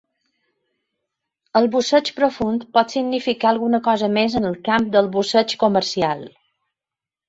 El busseig profund pot significar alguna cosa més en el camp del busseig comercial.